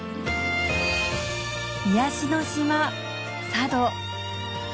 癒しの島佐渡。